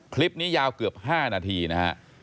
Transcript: คลิปนี้ยาวเกือบ๕นาทีนะฮะ